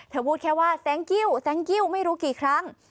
พูดแค่ว่าแซงกิ้วแซงกิ้วไม่รู้กี่ครั้ง